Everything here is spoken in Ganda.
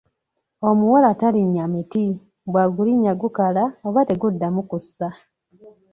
Omuwala talinnya miti, bw’agulinnya gukala oba teguddamu kussa.